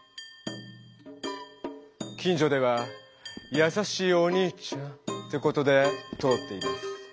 近じょではやさしいお兄ちゃんってことで通っています。